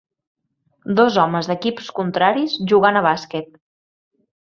Dos homes d'equips contraris jugant a bàsquet.